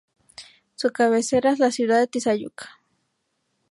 Su cabecera es la ciudad de Tizayuca.